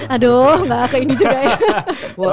aduh gak ke ini juga ya